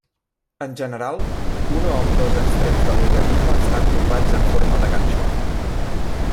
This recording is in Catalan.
En general, un o ambdós extrems de l'organisme estan corbats en forma de ganxo.